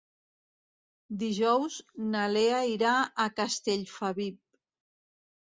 Dijous na Lea irà a Castellfabib.